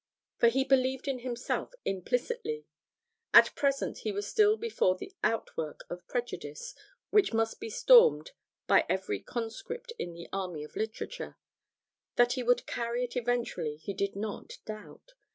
For he believed in himself implicitly. At present he was still before the outwork of prejudice which must be stormed by every conscript in the army of literature: that he would carry it eventually he did not doubt.